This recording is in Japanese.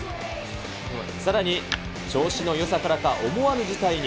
さらに調子のよさからか、思わぬ事態に。